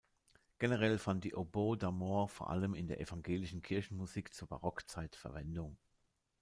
Generell fand die Oboe d’amore vor allem in der evangelischen Kirchenmusik zur Barockzeit Verwendung.